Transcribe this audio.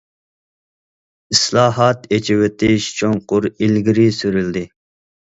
ئىسلاھات، ئېچىۋېتىش چوڭقۇر ئىلگىرى سۈرۈلدى.